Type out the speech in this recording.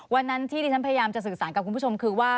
วันนั้นที่ที่ฉันพยายามจะสื่อสารกับคุณผู้ชมคือว่า